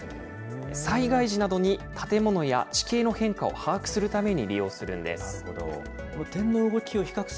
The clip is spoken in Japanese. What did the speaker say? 災害時などに、建物や地形の変化を把握するために利用するんです。